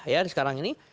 ya sekarang ini